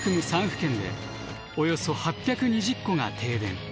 ３府県でおよそ８２０戸が停電。